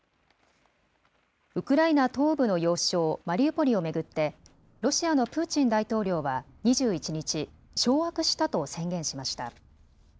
ウクライナ東部の要衝マリウポリを巡って、ロシアのプーチン大統領は２１日、掌握したと宣言しました。